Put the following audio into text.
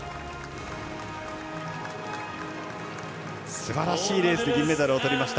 すばらしいレースで銀メダルをとりました。